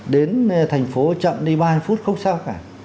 đến thành phố chậm đi ba mươi phút không sao cả